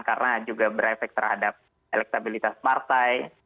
karena juga berefek terhadap elektabilitas partai